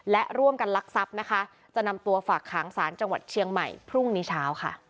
และร่วมกันลักทรัพย์นะคะจะนำตัวฝากขังสารจังหวัดเชียงใหม่พรุ่งนี้เช้าค่ะ